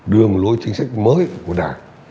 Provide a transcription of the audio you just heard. đường lối chính sách mới của đảng